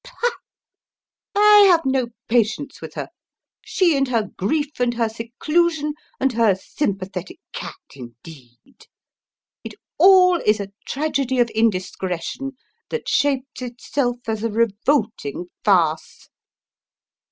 Pah! I have no patience with her! She and her grief and her seclusion and her sympathetic cat, indeed! It all is a tragedy of indiscretion that shapes itself as a revolting farce!"